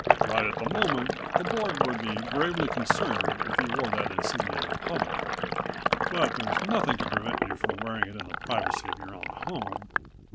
"Right at the moment the Board would be gravely concerned if you wore that insignia in public. But there's nothing to prevent you from wearing it in the privacy of your own home.